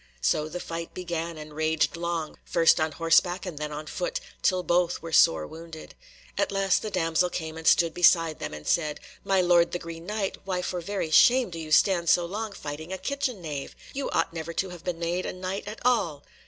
So the fight began and raged long, first on horseback and then on foot, till both were sore wounded. At last the damsel came and stood beside them, and said, "My lord the Green Knight, why for very shame do you stand so long fighting a kitchen knave? You ought never to have been made a Knight at all!"